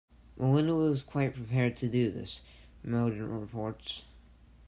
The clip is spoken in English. "Melinda was quite prepared to do this," Modin reports.